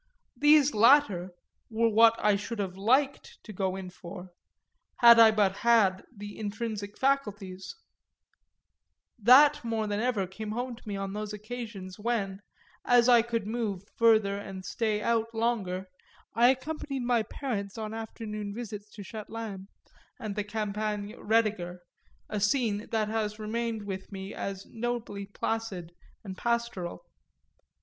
These latter were what I should have liked to go in for, had I but had the intrinsic faculties; that more than ever came home to me on those occasions when, as I could move further and stay out longer, I accompanied my parents on afternoon visits to Châtelaine and the Campagne Roediger, a scene that has remained with me as nobly placid and pastoral.